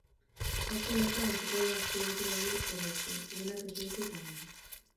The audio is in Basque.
Aurten bertan hasiko dira azpiegitura hori eraisten, lanak esleitu eta gero.